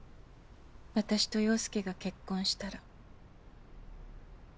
私と陽佑が結婚したら。